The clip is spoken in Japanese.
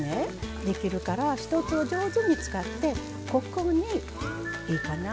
できるから１つを上手に使ってここにいいかな？